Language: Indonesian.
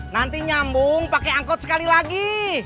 nanti nyambung pakai angkot sekali lagi